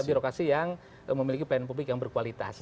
ya birokrasi yang memiliki pan publik yang berkualitas